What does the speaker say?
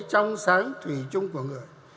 trong sáng thủy chung của người